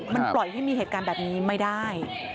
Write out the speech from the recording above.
มันปล่อยให้มีเหตุการณ์แบบนี้ไม่ได้